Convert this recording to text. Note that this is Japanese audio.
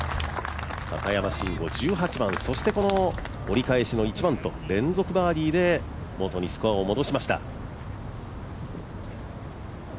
片山晋呉、１８番そしてこの折り返しの１番と連続バーディーで、もとにスコアを戻しました。